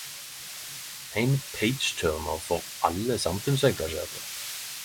Ein pageturner for alle samfunnsengasjerte!